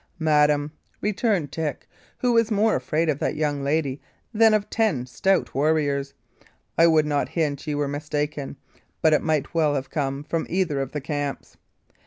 "Madam," returned Dick, who was more afraid of that young lady than of ten stout warriors, "I would not hint ye were mistaken; but it might well have come from either of the camps."